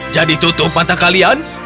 jadi tutup mata kalian